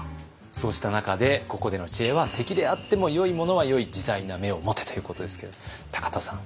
そうした中でここでの知恵は「敵であっても良いものは良い自在な目を持て！」ということですけれども田さん。